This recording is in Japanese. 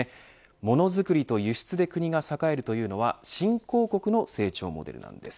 ものづくりと輸出で国が栄えるというのは新興国の成長モデルなんです。